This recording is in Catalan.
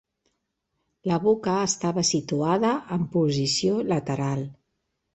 La boca estava situada en posició lateral.